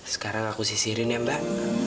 sekarang aku sisirin ya mbak